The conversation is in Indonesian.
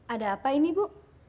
ada apa ini bu